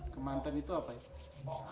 kemanten itu apa